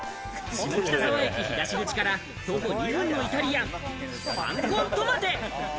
下北沢駅東口から徒歩２分のイタリアン・パンコントマテ。